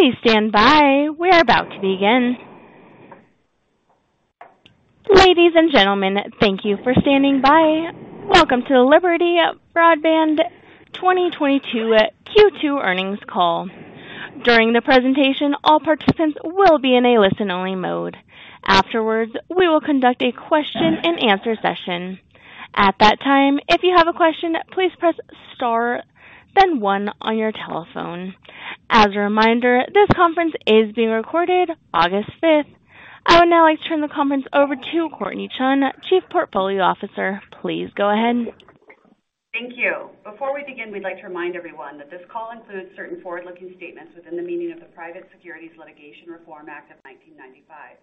Please stand by. We're about to begin. Ladies and gentlemen, thank you for standing by. Welcome to the Liberty Broadband 2022 Q2 earnings call. During the presentation, all participants will be in a listen-only mode. Afterwards, we will conduct a question-and-answer session. At that time, if you have a question, please press Star, then one on your telephone. As a reminder, this conference is being recorded August 5th. I would now like to turn the conference over to Courtnee Chun, Chief Portfolio Officer. Please go ahead. Thank you. Before we begin, we'd like to remind everyone that this call includes certain forward-looking statements within the meaning of the Private Securities Litigation Reform Act of 1995.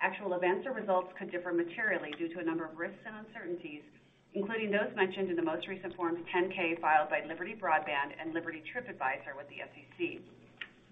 Actual events or results could differ materially due to a number of risks and uncertainties, including those mentioned in the most recent Form 10-K filed by Liberty Broadband and Liberty TripAdvisor with the SEC.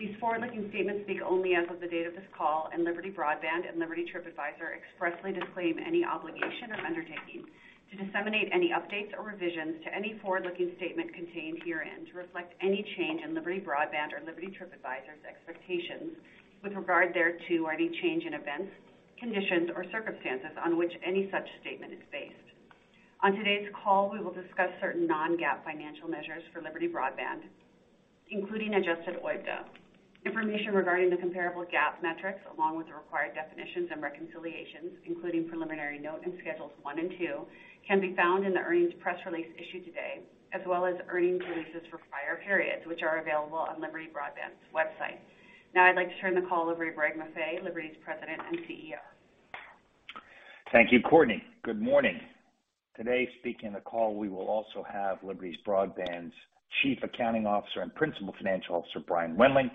These forward-looking statements speak only as of the date of this call and Liberty Broadband and Liberty TripAdvisor expressly disclaim any obligation or undertaking to disseminate any updates or revisions to any forward-looking statement contained herein to reflect any change in Liberty Broadband or Liberty TripAdvisor expectations with regard thereto, or any change in events, conditions, or circumstances on which any such statement is based. On today's call, we will discuss certain non-GAAP financial measures for Liberty Broadband, including Adjusted OIBDA. Information regarding the comparable GAAP metrics, along with the required definitions and reconciliations, including preliminary note in schedules one and two, can be found in the earnings press release issued today, as well as earnings releases for prior periods, which are available on Liberty Broadband's website. Now, I'd like to turn the call over to Greg Maffei, Liberty's President and CEO. Thank you Courtnee. Good morning. Today, speaking on the call, we will also have Liberty Broadband's Chief Accounting Officer and Principal Financial Officer, Brian Wendling.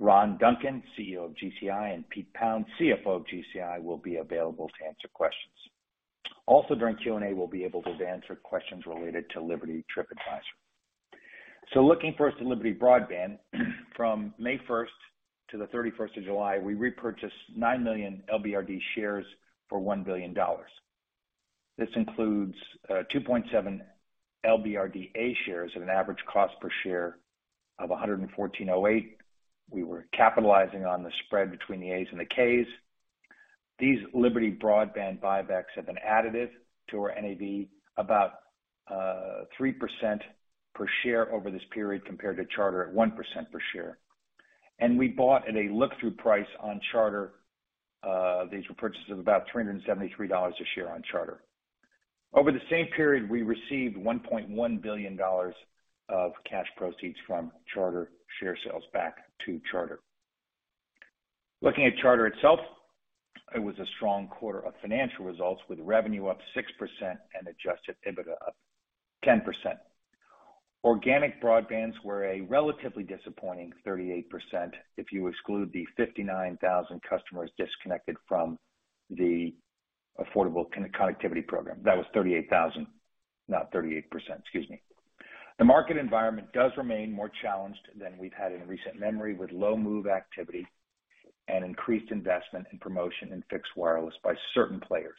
Ron Duncan, CEO of GCI, and Pete Pounds, CFO of GCI, will be available to answer questions. Also, during Q&A, we'll be able to answer questions related to Liberty TripAdvisor. Looking first to Liberty Broadband, from May 1st to the 31st July, we repurchased 9 million LBRD shares for $1 billion. This includes 2.7 LBRDA shares at an average cost per share of $114.08. We were capitalizing on the spread between the As and the Ks. These Liberty Broadband buybacks have been additive to our NAV about 3% per share over this period, compared to Charter at 1% per share. We bought at a look-through price on Charter. These were purchased at about $373 a share on Charter. Over the same period, we received $1.1 billion of cash proceeds from Charter share sales back to Charter. Looking at Charter itself, it was a strong quarter of financial results, with revenue up 6% and Adjusted EBITDA up 10%. Organic broadbands were a relatively disappointing 38% if you exclude the 59,000 customers disconnected from the Affordable Connectivity Program. That was 38,000, not 38%. Excuse me. The market environment does remain more challenged than we've had in recent memory, with low move activity and increased investment in promotion in fixed wireless by certain players.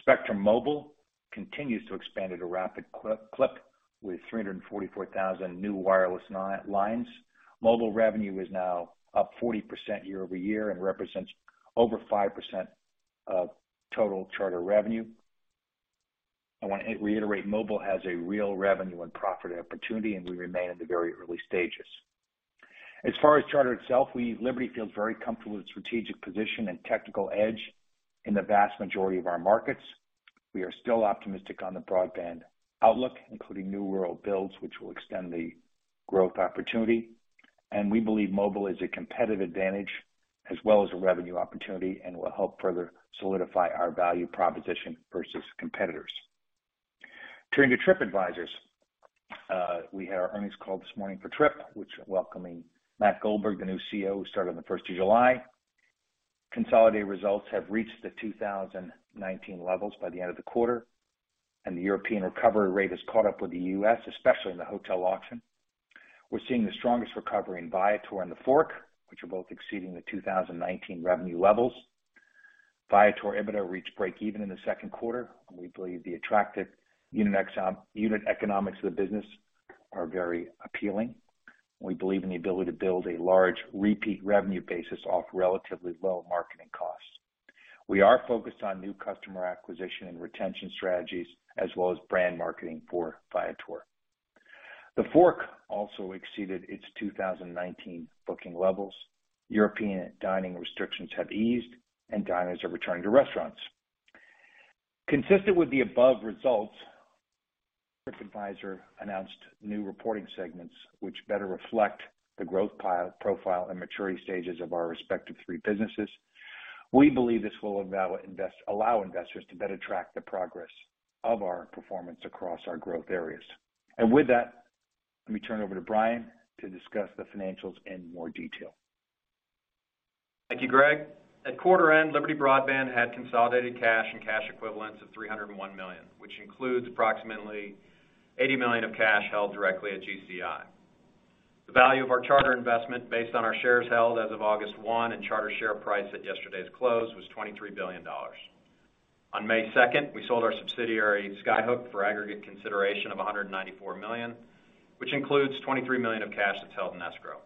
Spectrum Mobile continues to expand at a rapid clip with 344,000 new wireless lines. Mobile revenue is now up 40% year-over-year and represents over 5% of total Charter revenue. I want to reiterate, Mobile has a real revenue and profit opportunity and we remain in the very early stages. As far as Charter itself, Liberty feels very comfortable with strategic position and technical edge in the vast majority of our markets. We are still optimistic on the broadband outlook, including new rural builds, which will extend the growth opportunity. We believe mobile is a competitive advantage as well as a revenue opportunity and will help further solidify our value proposition versus competitors. Turning to Tripadvisor. We had our earnings call this morning for Trip, which welcoming Matt Goldberg, the new CEO, who started on the 1st July. Consolidated results have reached the 2019 levels by the end of the quarter and the European recovery rate has caught up with the U.S., especially in the hotel auction. We're seeing the strongest recovery in Viator and TheFork, which are both exceeding the 2019 revenue levels. Viator EBITDA reached breakeven in the second quarter. We believe the attractive unit economics of the business are very appealing. We believe in the ability to build a large repeat revenue basis off relatively low marketing costs. We are focused on new customer acquisition and retention strategies as well as brand marketing for Viator. TheFork also exceeded its 2019 booking levels. European dining restrictions have eased and diners are returning to restaurants. Consistent with the above results, Tripadvisor announced new reporting segments which better reflect the growth profile and maturity stages of our respective three businesses. We believe this will allow investors to better track the progress of our performance across our growth areas. With that, let me turn it over to Brian to discuss the financials in more detail. Thank you Greg. At quarter end, Liberty Broadband had consolidated cash and cash equivalents of $301 million, which includes approximately $80 million of cash held directly at GCI. The value of our Charter investment, based on our shares held as of August 1 and Charter share price at yesterday's close, was $23 billion. On May 2nd, we sold our subsidiary, Skyhook, for aggregate consideration of $194 million, which includes $23 million of cash that's held in Escrow.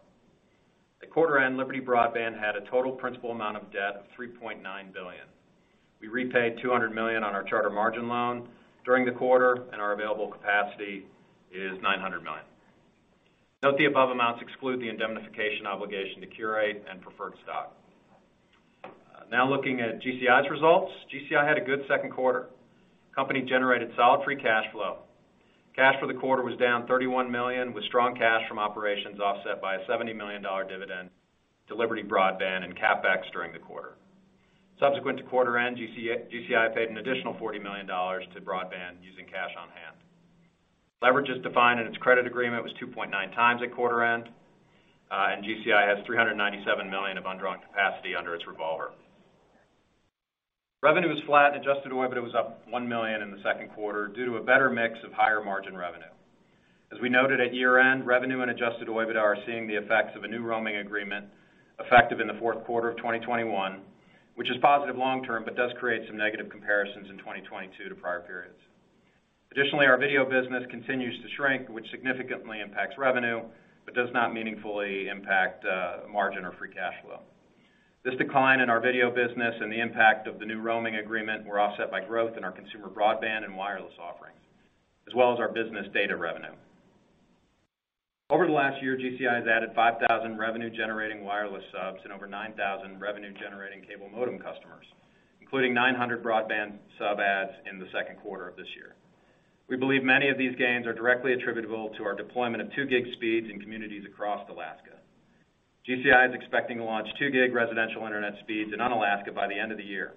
At quarter end, Liberty Broadband had a total principal amount of debt of $3.9 billion. We repaid $200 million on our charter margin loan during the quarter and our available capacity is $900 million. Note the above amounts exclude the indemnification obligation to Qurate and preferred stock. Now looking at GCI's results. GCI had a good second quarter. Company generated solid free cash flow. Cash for the quarter was down $31 million, with strong cash from operations offset by a $70 million dividend to Liberty Broadband and CapEx during the quarter. Subsequent to quarter end, GCI paid an additional $40 million to Broadband using cash on hand. Leverage is defined and its credit agreement was 2.9x at quarter end. GCI has $397 million of undrawn capacity under its revolver. Revenue is flat. Adjusted OIBDA was up $1 million in the second quarter due to a better mix of higher margin revenue. As we noted at year-end, revenue and Adjusted OIBDA are seeing the effects of a new roaming agreement effective in the fourth quarter of 2021, which is positive long term, but does create some negative comparisons in 2022 to prior periods. Additionally, our video business continues to shrink, which significantly impacts revenue but does not meaningfully impact margin or free cash flow. This decline in our video business and the impact of the new roaming agreement were offset by growth in our consumer broadband and wireless offerings, as well as our business data revenue. Over the last year, GCI has added 5,000 revenue generating wireless subs and over 9,000 revenue generating cable modem customers, including 900 broadband sub adds in the second quarter of this year. We believe many of these gains are directly attributable to our deployment of 2 gig speeds in communities across Alaska. GCI is expecting to launch 2 gig residential internet speeds in Unalaska by the end of the year.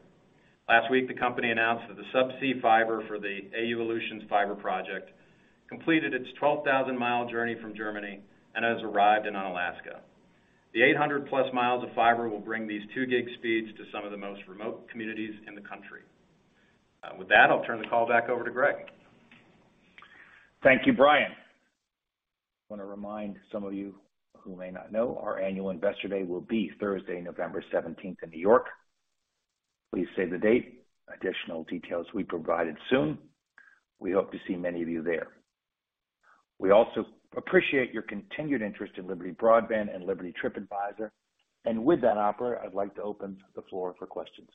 Last week, the company announced that the subsea fiber for the AU-Aleutians Fiber Project completed its 12,000 mile journey from Germany and has arrived in Unalaska. The 800+ miles of fiber will bring these 2 gig speeds to some of the most remote communities in the country. With that, I'll turn the call back over to Greg. Thank you Brian. I want to remind some of you who may not know, our annual Investor Day will be Thursday, November 17th in New York. Please save the date. Additional details will be provided soon. We hope to see many of you there. We also appreciate your continued interest in Liberty Broadband and Liberty TripAdvisor. With that operator, I'd like to open the floor for questions.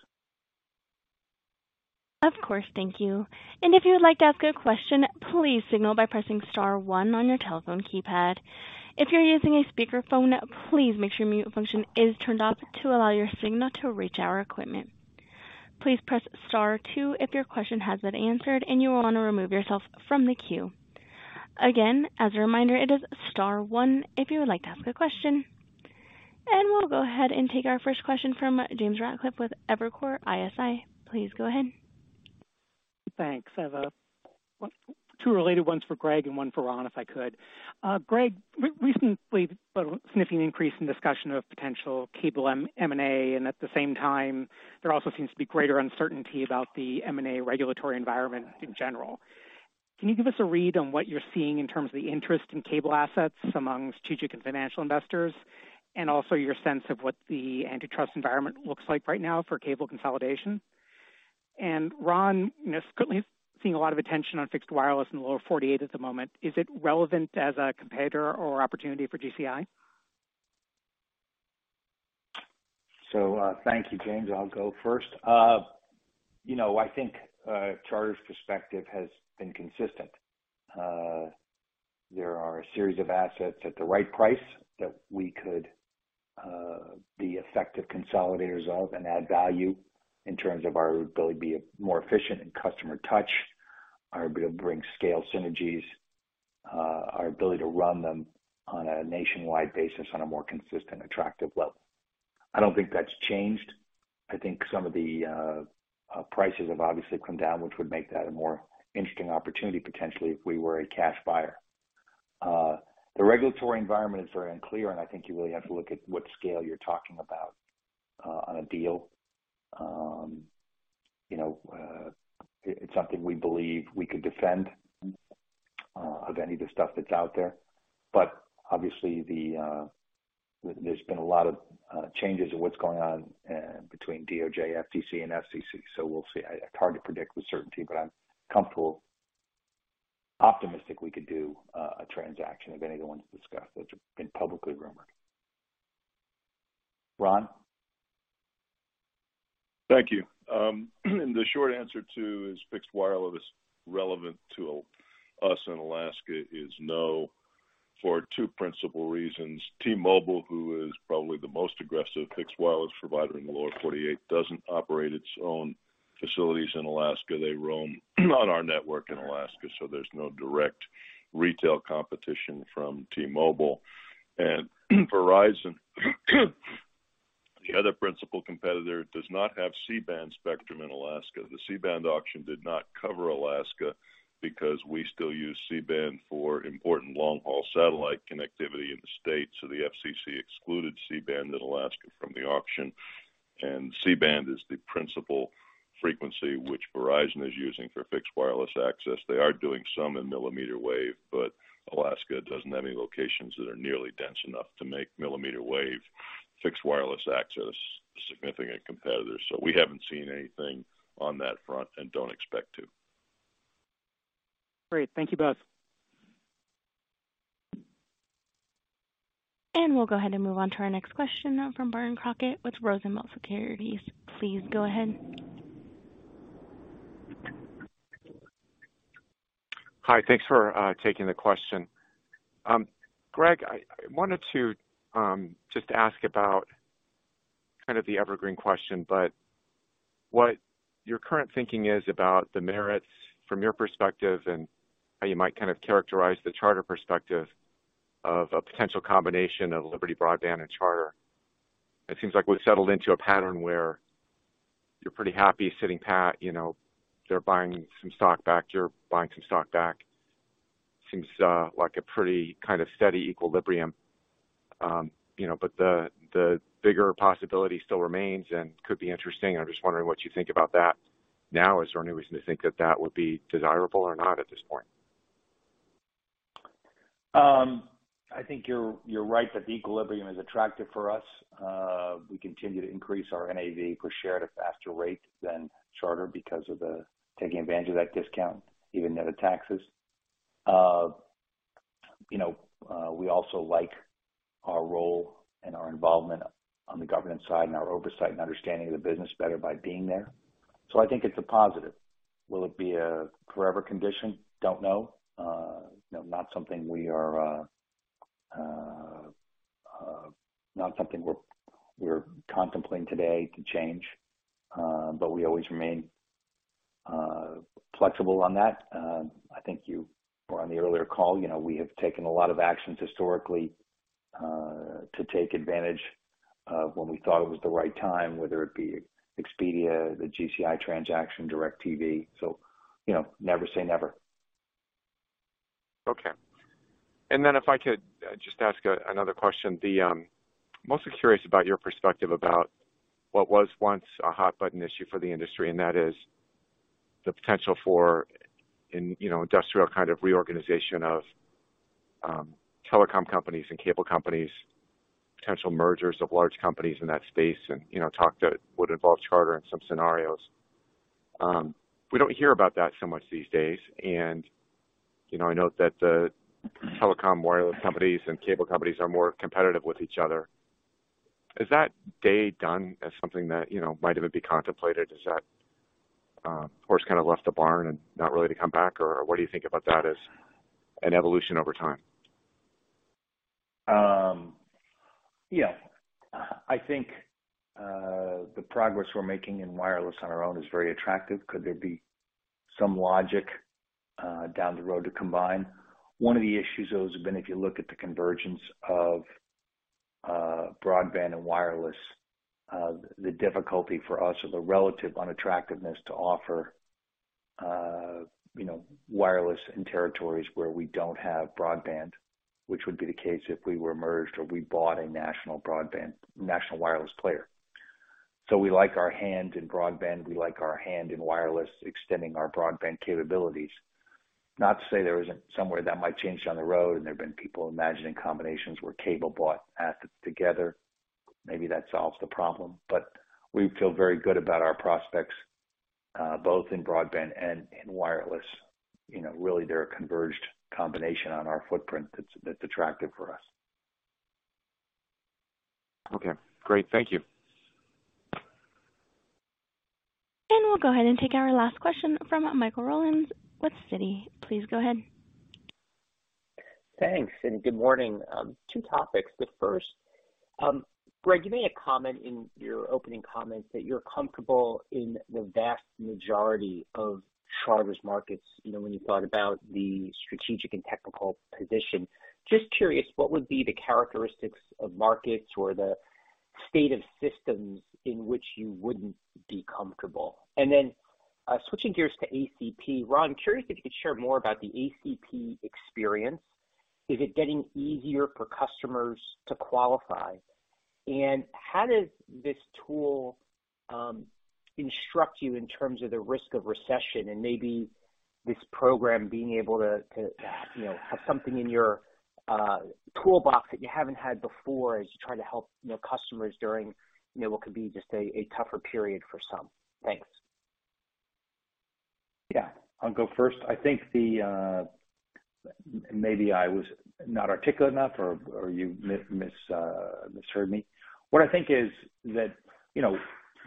Of course. Thank you. If you would like to ask a question, please signal by pressing star one on your telephone keypad. If you're using a speakerphone, please make sure mute function is turned off to allow your signal to reach our equipment. Please press star two if your question has been answered and you want to remove yourself from the queue. Again, as a reminder, it is star one if you would like to ask a question. We'll go ahead and take our first question from James Ratcliffe with Evercore ISI. Please go ahead. Thanks. I have two related ones for Greg and one for Ron, if I could. Greg, recently, a significant increase in discussion of potential cable M&A, and at the same time, there also seems to be greater uncertainty about the M&A regulatory environment in general. Can you give us a read on what you're seeing in terms of the interest in cable assets among strategic and financial investors, and also your sense of what the antitrust environment looks like right now for cable consolidation? Ron, you know, currently seeing a lot of attention on fixed wireless in the lower 48 at the moment. Is it relevant as a competitor or opportunity for GCI? Thank you James. I'll go first. You know, I think, Charter's perspective has been consistent. There are a series of assets at the right price that we could, be effective consolidators of and add value in terms of our ability to be more efficient in customer touch, our ability to bring scale synergies, our ability to run them on a nationwide basis on a more consistent, attractive level. I don't think that's changed. I think some of the, prices have obviously come down, which would make that a more interesting opportunity potentially if we were a cash buyer. The regulatory environment is very unclear and I think you really have to look at what scale you're talking about, on a deal. You know, it's something we believe we could defend any of the stuff that's out there. Obviously, there's been a lot of changes in what's going on between DOJ, FTC, and FCC. We'll see. It's hard to predict with certainty, but I'm comfortable, optimistic we could do a transaction any of the ones discussed that's been publicly rumored. Ron? Thank you. The short answer is fixed wireless relevant to us and Alaska is no, for two principal reasons. T-Mobile, who is probably the most aggressive fixed wireless provider in the lower 48, doesn't operate its own facilities in Alaska. They roam on our network in Alaska, so there's no direct retail competition from T-Mobile. Verizon, the other principal competitor, does not have C-band spectrum in Alaska. The C-band auction did not cover Alaska because we still use C-band for important long-haul satellite connectivity in the state, so the FCC excluded C-band in Alaska from the auction. C-band is the principal frequency which Verizon is using for fixed wireless access. They are doing some in millimeter wave, but Alaska doesn't have any locations that are nearly dense enough to make millimeter wave. Fixed wireless access, significant competitors. We haven't seen anything on that front and don't expect to. Great. Thank you both. We'll go ahead and move on to our next question from Barton Crockett with Rosenblatt Securities. Please go ahead. Hi. Thanks for taking the question. Greg, I wanted to just ask about kind of the evergreen question, but what your current thinking is about the merits from your perspective and how you might kind of characterize the Charter perspective of a potential combination of Liberty Broadband and Charter. It seems like we've settled into a pattern where you're pretty happy sitting pat, you know. They're buying some stock back, you're buying some stock back. Seems like a pretty kind of steady equilibrium. You know, but the bigger possibility still remains and could be interesting. I'm just wondering what you think about that now. Is there any reason to think that that would be desirable or not at this point? I think you're right that the equilibrium is attractive for us. We continue to increase our NAV per share at a faster rate than Charter because of the taking advantage of that discount even net of taxes. You know, we also like our role and our involvement on the governance side and our oversight and understanding of the business better by being there. I think it's a positive. Will it be a forever condition? Don't know. You know, not something we're contemplating today to change, but we always remain flexible on that. I think you were on the earlier call, you know, we have taken a lot of actions historically to take advantage of when we thought it was the right time, whether it be Expedia, the GCI transaction, DirecTV. You know, never say never. Okay. If I could just ask another question. I'm mostly curious about your perspective about what was once a hot button issue for the industry, and that is the potential for and, you know, industrial kind of reorganization of, telecom companies and cable companies, potential mergers of large companies in that space and, you know, talk that would involve Charter in some scenarios. We don't hear about that so much these days. You know, I know that the telecom wireless companies and cable companies are more competitive with each other. Is that day done as something that, you know, might even be contemplated? Is that horse kind of left the barn and not really to come back? Or what do you think about that as an evolution over time? Yeah. I think the progress we're making in wireless on our own is very attractive. Could there be some logic down the road to combine? One of the issues, though, has been if you look at the convergence of broadband and wireless, the difficulty for us or the relative unattractiveness to offer you know, wireless in territories where we don't have broadband, which would be the case if we were merged or we bought a national broadband, national wireless player. We like our hand in broadband. We like our hand in wireless, extending our broadband capabilities. Not to say there isn't somewhere that might change down the road and there have been people imagining combinations where cable bought assets together. Maybe that solves the problem. We feel very good about our prospects both in broadband and in wireless. You know, really, they're a converged combination on our footprint that's attractive for us. Okay, great. Thank you. We'll go ahead and take our last question from Michael Rollins with Citi. Please go ahead. Thanks. Good morning. Two topics. The first, Greg, you made a comment in your opening comments that you're comfortable in the vast majority of Charter's markets, you know, when you thought about the strategic and technical position. Just curious, what would be the characteristics of markets or the state of systems in which you wouldn't be comfortable? Then, switching gears to ACP. Ron, I'm curious if you could share more about the ACP experience. Is it getting easier for customers to qualify? And how does this tool instruct you in terms of the risk of recession and maybe this program being able to, you know, have something in your toolbox that you haven't had before as you try to help, you know, customers during, you know, what could be just a tougher period for some? Thanks. Yeah, I'll go first. I think. Maybe I was not articulate enough or you misheard me. What I think is that, you know,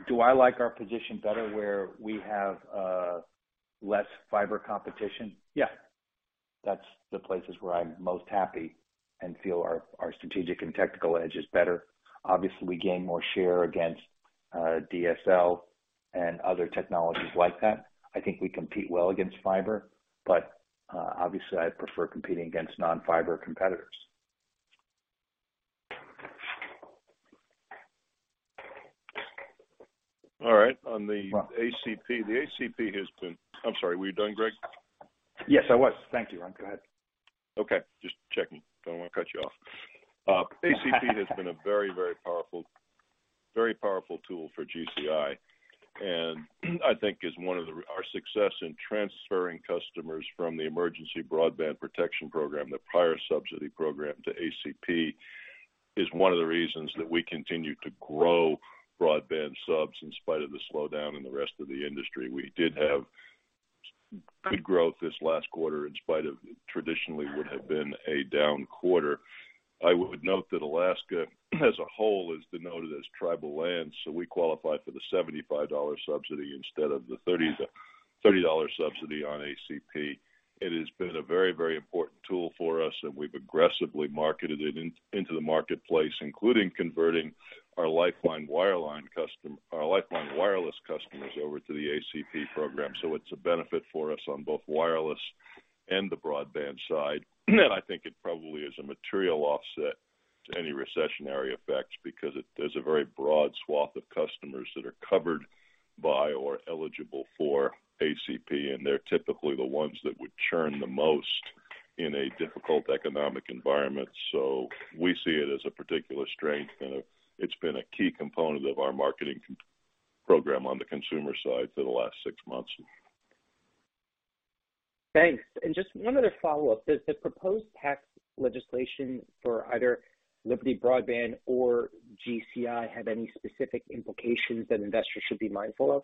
do I like our position better where we have less fiber competition? Yeah. That's the places where I'm most happy and feel our strategic and technical edge is better. Obviously, we gain more share against DSL and other technologies like that. I think we compete well against fiber, but obviously I prefer competing against non-fiber competitors. All right. On the ACP, I'm sorry. Were you done, Greg? Yes, I was. Thank you Ron. Go ahead. Okay, just checking. Don't want to cut you off. ACP has been a very powerful tool for GCI, and I think is one of the. Our success in transferring customers from the Emergency Broadband Benefit Program, the prior subsidy program, to ACP, is one of the reasons that we continue to grow broadband subs in spite of the slowdown in the rest of the industry. We did have good growth this last quarter in spite of traditionally would have been a down quarter. I would note that Alaska as a whole is denoted as tribal land, so we qualify for the $75 subsidy instead of the $30 subsidy on ACP. It has been a very, very important tool for us and we've aggressively marketed it into the marketplace, including converting our lifeline wireless customers over to the ACP program. It's a benefit for us on both wireless and the broadband side. I think it probably is a material offset to any recessionary effects because it, there's a very broad swath of customers that are covered by or eligible for ACP, and they're typically the ones that would churn the most in a difficult economic environment. We see it as a particular strength and it's been a key component of our marketing program on the consumer side for the last six months. Thanks. Just one other follow-up. Does the proposed tax legislation for either Liberty Broadband or GCI have any specific implications that investors should be mindful of?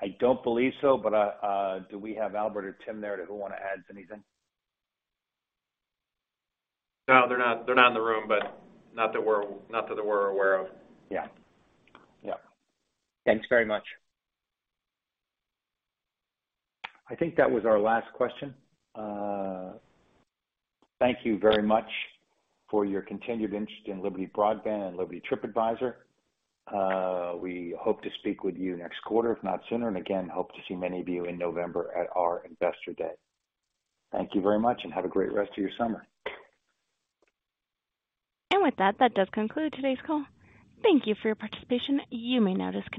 I don't believe so, but do we have Albert or Tim there too? Who wants to add anything? No, they're not in the room, but not that we're aware of. Yeah. Yeah. Thanks very much. I think that was our last question. Thank you very much for your continued interest in Liberty Broadband and Liberty TripAdvisor. We hope to speak with you next quarter, if not sooner, and again, hope to see many of you in November at our Investor Day. Thank you very much and have a great rest of your summer. With that does conclude today's call. Thank you for your participation. You may now disconnect.